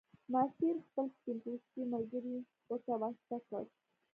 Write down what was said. ماسیر خپل سپین پوستی ملګری ورته واسطه کړ.